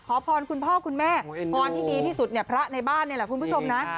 ขอพรคุณพ่อคุณแม่พรที่ดีที่สุดเนี่ยพระในบ้านนี่แหละคุณผู้ชมนะ